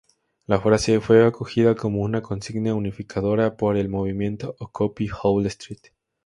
La frase fue acogida como una consigna unificadora por el movimiento Occupy Wall Street.